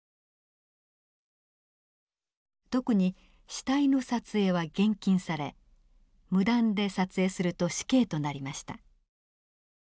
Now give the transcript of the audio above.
特に死体の撮影は厳禁され無断で撮影すると死刑となりました。